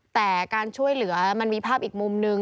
แต่การช่วยเหลือมันมีภาพอีกมุมนึง